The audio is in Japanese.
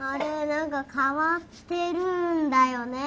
なんかかわってるんだよね。